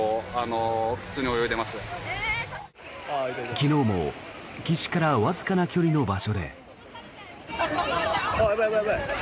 昨日も岸からわずかな距離の場所で。